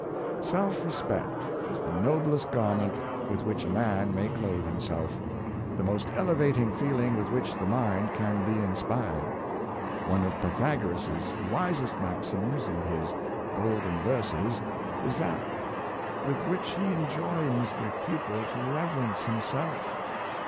Self respect is the noblest garment with which a man may clothe himself — the most elevating feeling with which the mind can be inspired. One of Pythagoras's wisest maxims, in his " Golden Verses," is that with which he enjoins the pupil to ^' reverence himself."